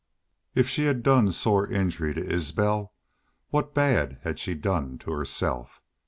If she had done sore injury to Isbel what bad she done to herself?